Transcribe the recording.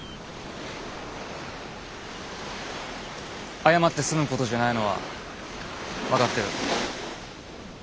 謝って済むことじゃないのは分かってる。